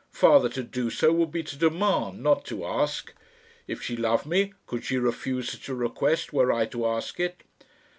Father, to do so would be to demand, not to ask. If she love me, could she refuse such a request were I to ask it?"